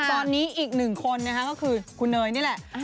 ตอนนี้อีกหนึ่งคนนะคะก็คือคุณเนยนี่แหละ